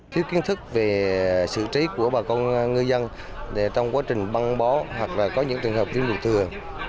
thiếu kiến thức về sự trí của bà con ngư dân trong quá trình băng bó hoặc là có những trường hợp thiếu hụt thừa